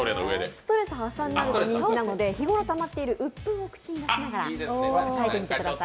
ストレス発散になると人気なので、日頃たまっている鬱憤を話しながらやってみてください。